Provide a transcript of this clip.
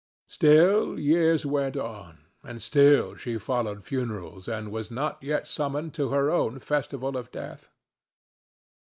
Still years went on, and still she followed funerals and was not yet summoned to her own festival of death.